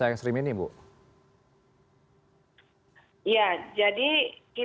dan puncaknya di februari